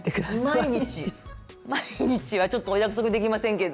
毎日はちょっとお約束できませんけど。